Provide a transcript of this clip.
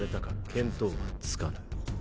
見当はつかぬ。